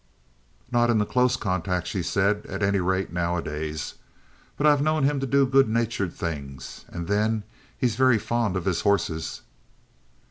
"Not into close contact," she said "at any rate, nowadays. But I've known him to do good natured things; and then he's very fond of his horses."